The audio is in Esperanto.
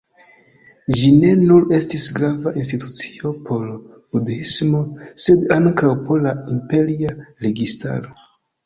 Ĝi ne nur estis grava institucio por budhismo, sed ankaŭ por la imperia registaro.